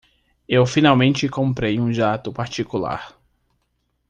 Eu finalmente comprei um jato particular.